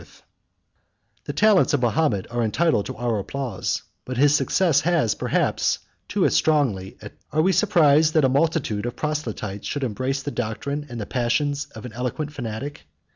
] The talents of Mahomet are entitled to our applause; but his success has, perhaps, too strongly attracted our admiration. Are we surprised that a multitude of proselytes should embrace the doctrine and the passions of an eloquent fanatic?